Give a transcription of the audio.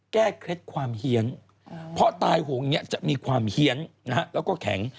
เคล็ดความเฮียนเพราะตายหงอย่างนี้จะมีความเฮียนแล้วก็แข็ง